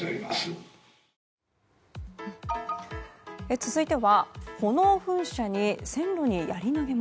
続いては炎噴射に、線路にやり投げも。